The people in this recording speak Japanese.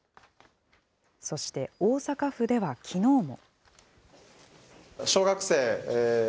そして、大阪府ではきのうも。